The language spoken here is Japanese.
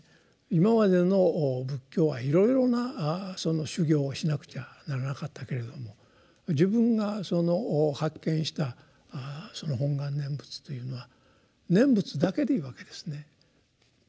今までの仏教はいろいろなその修行をしなくちゃならなかったけれども自分が発見したその本願念仏というのは念仏だけでいいわけですね。